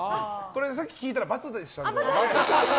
さっき聞いたら×でしたので。